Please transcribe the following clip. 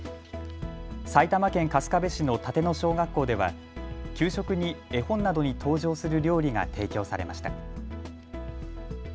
埼玉県春日部市の立野小学校では給食に絵本などに登場する料理が提供されました。